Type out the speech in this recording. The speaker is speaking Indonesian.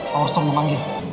power stone memanggil